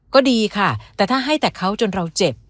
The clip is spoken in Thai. ก็ดีค่ะแต่ถ้าให้แต่เขาจนเราเจ็บ